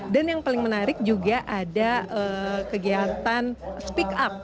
dan yang paling menarik juga ada kegiatan speak up